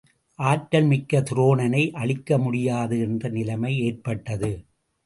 ஆற்றல் மிக்க துரோணனை அழிக்க முடியாது என்ற நிலைமை ஏற்பட்டது.